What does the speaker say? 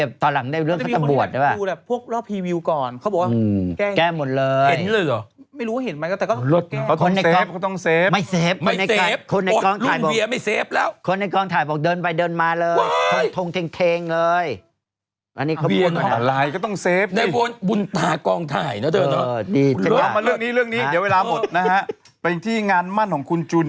โอ้ยลุงเวียไม่เซฟคนในกล้องถ่ายบอก